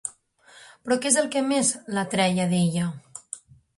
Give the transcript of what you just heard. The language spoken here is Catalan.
Però què és el que més l'atreia d'ella?